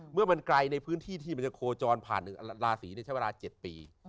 เมื่อมันไกลในพื้นที่ที่มันจะโคจรผ่านราศีใช้เวลา๗ปี